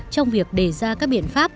trong việc đề ra các biện pháp